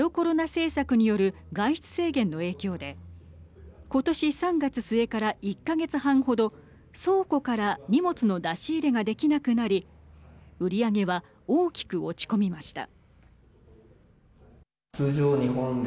政策による外出制限の影響で今年３月末から１か月半程倉庫から荷物の出し入れができなくなり売り上げは大きく落ち込みました。